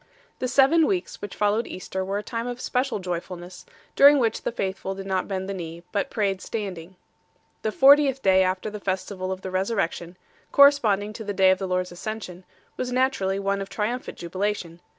The seven weeks which followed Easter were a time of special joyfulness, during which the faithful did not bend the knee, but prayed standing 8 . The fortieth day after the festival of the Resurrection, corresponding to the day of the Lord s Ascension, was naturally one of triumphant jubilation 9